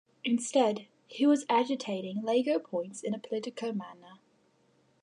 Instead, he was agitating legal points in a political manner.